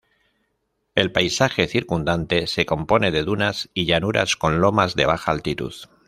El paisaje circundante se compone de dunas, y llanuras con lomas de baja altitud.